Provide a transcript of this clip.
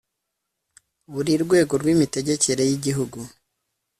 buri rwego rw imitegekere y igihugu